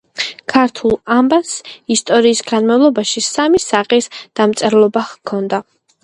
ქართულ ანბანს ისტორიის განმავლობაში სამი სახის დამწერლობა ჰქონდა.